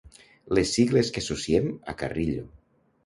Les sigles que associem a Carrillo.